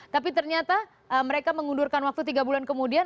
tapi ternyata mereka mengundurkan waktu tiga bulan kemudian